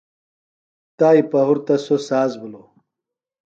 تائی پہُرتہ سوۡ ساز بِھلوۡ۔